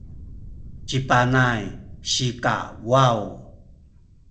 ci Panay sikawaw